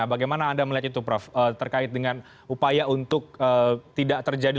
bagaimana anda melihat itu prof terkait dengan upaya untuk tidak terjadi